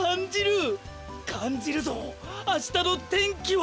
かんじるぞあしたの天気は。